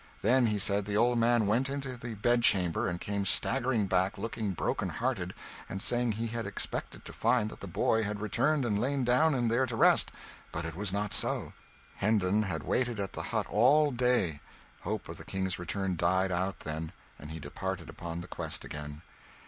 Then he said the old man went into the bedchamber and came staggering back looking broken hearted, and saying he had expected to find that the boy had returned and laid down in there to rest, but it was not so. Hendon had waited at the hut all day; hope of the King's return died out, then, and he departed upon the quest again.